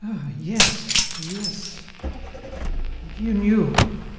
Ah yes, yes ... if you knew